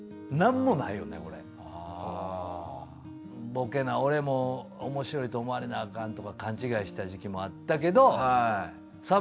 ボケな俺もおもしろいと思われなアカンとか勘違いした時期もあったけど。